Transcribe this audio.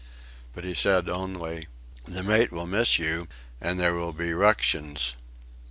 But he said only: "The mate will miss you and there will be ructions."